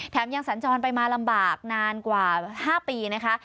ยังสัญจรไปมาลำบากนานกว่า๕ปีนะคะ